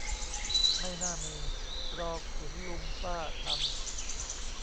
ไม่น่ามี รอขุนลุงฟ่าทำ